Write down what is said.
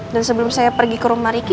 dan sebelum saya pergi ke rumah ricky